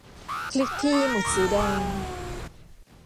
คลิกที่ หมุดสีแดง